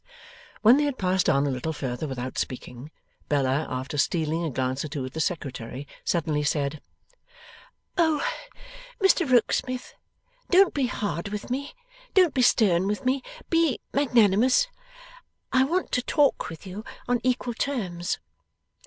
When they had passed on a little further without speaking, Bella, after stealing a glance or two at the Secretary, suddenly said: 'Oh, Mr Rokesmith, don't be hard with me, don't be stern with me; be magnanimous! I want to talk with you on equal terms.